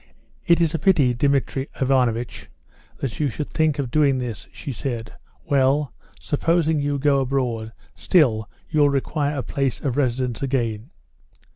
"It is a pity, Dmitri Ivanovitch, that you should think of doing this," she said. "Well, supposing you go abroad, still you'll require a place of residence again."